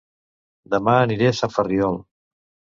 Dema aniré a Sant Ferriol